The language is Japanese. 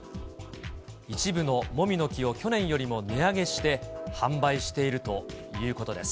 一部のもみの木を去年よりも値上げして販売しているということです。